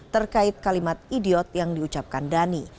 terkait kalimat idiot yang diucapkan dhani